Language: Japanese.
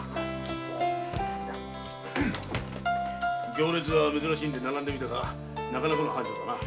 行列が珍しいんで並んでみたがなかなかの繁盛だな。